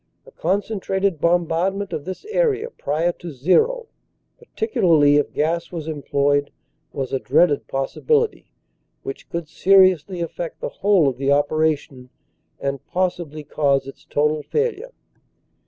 A concentrated bombardment of this area prior to "zero/ particularly if gas was employed, was a dreaded pos sibility which could seriously affect the whole of the opera tion and possibly cause its total failure.